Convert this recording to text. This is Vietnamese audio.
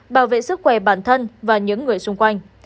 bảo vệ sức khỏe bản thân và những người xung quanh